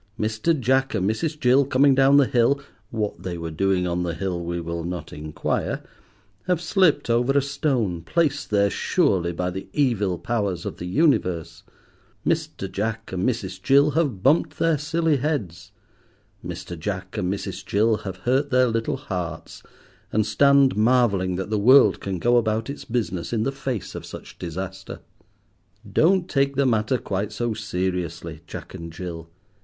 Mr. Jack and Mrs. Jill, coming down the hill—what they were doing on the hill we will not inquire—have slipped over a stone, placed there surely by the evil powers of the universe. Mr. Jack and Mrs. Jill have bumped their silly heads. Mr. Jack and Mrs. Jill have hurt their little hearts, and stand marvelling that the world can go about its business in the face of such disaster. Don't take the matter quite so seriously, Jack and Jill.